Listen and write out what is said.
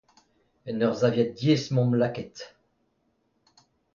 En ur saviad diaes omp lakaet.